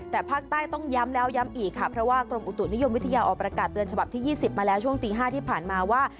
แต่ภาคใต้ต้องย้ำแล้วย้ำอีกค่ะเพราะว่ากรมอุตุนิยมวิทยาออกประกาศเตือนฉบับที่๒๐มาแล้วช่วงตี๕ที่ผ่านมาว่า